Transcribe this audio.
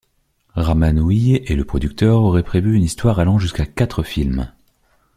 Raman Hui et le producteur auraient prévu une histoire allant jusqu'à quatre films.